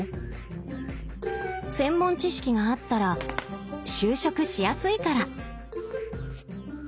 専門知識があったら就職しやすいから。